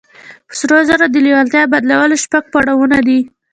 پر سرو زرو د لېوالتیا د بدلولو شپږ پړاوونه دي.